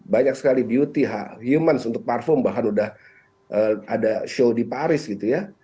banyak sekali beauty humans untuk parfum bahkan udah ada show di paris gitu ya